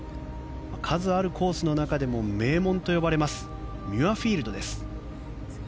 数あるコースの中でも名門と呼ばれますミュアフィールドです。